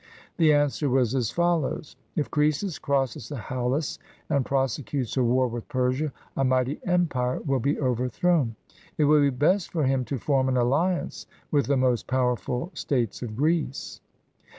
The answer was as follows :— "If Croesus crosses the Halys, and prosecutes a war with Persia, a mighty empire will be overthrown. It will be best for him to form an aUiance with the most power ful States of Greece."